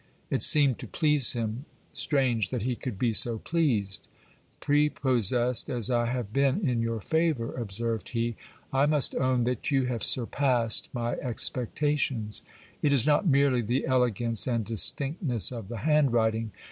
It seemed to please him ; strange that he could be so pleased ! Prepossessed as I have been in your favour, observed he, I must own that you have surpassed my expectations. It is not merely the elegance and distinctness of the handwriting